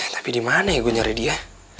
tapi di mana ibu nyari dia